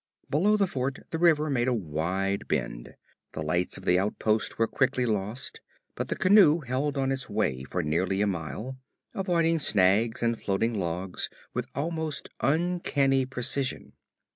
Below the fort the river made a wide bend. The lights of the outpost were quickly lost, but the canoe held on its way for nearly a mile, avoiding snags and floating logs with almost uncanny precision.